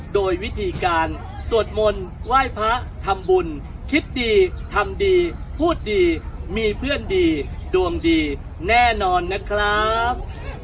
โดยวิธีการสวดมนต์ไหว้พระทำบุญคิดดีทำดีพูดดีมีเพื่อนดีดวงดีแน่นอนนะครับ